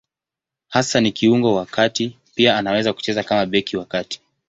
Hasa ni kiungo wa kati; pia anaweza kucheza kama beki wa kati.